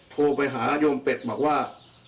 โทรไปหาโยมเป็ดบอกว่า